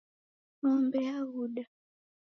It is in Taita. Ngombe yaghuda